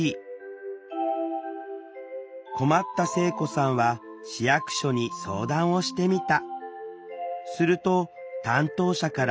困った聖子さんは市役所に相談をしてみた。